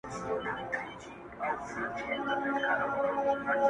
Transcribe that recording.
• ه یاره دا زه څه اورمه، څه وینمه،